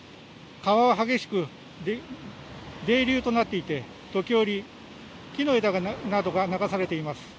川は激しく泥流となっていて時折、木の枝などが流されています。